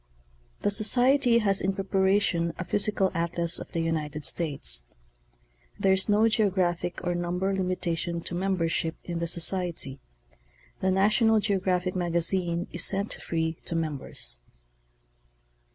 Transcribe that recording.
The Socrery has in preparation a physical atlas of the United States. There is no geographic or number limitation to membership in the Socimry. The National Geographic Magazine is sent free to members.